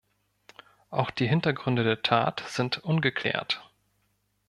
Auch die Hintergründe der Tat sind ungeklärt.